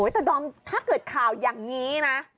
แต่ดอมถ้าเกิดข่าวอย่างนี้นะ